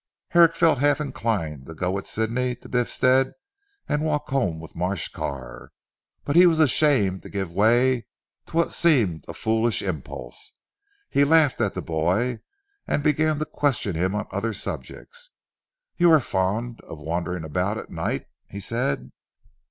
Herrick felt half inclined to go with Sidney to Biffstead and walk home with Marsh Carr. But he was ashamed to give way to what seemed a foolish impulse. He laughed at the boy, and began to question him on other subjects. "You are fond of wandering about at night?" he said.